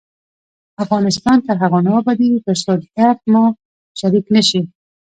افغانستان تر هغو نه ابادیږي، ترڅو درد مو شریک نشي.